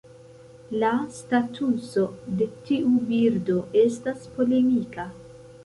La statuso de tiu birdo estas polemika.